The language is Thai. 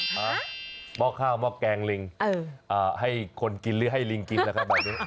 หม้อกข้าวหม้อกแกงลิงให้คนกินหรือให้ลิงกินล่ะคะ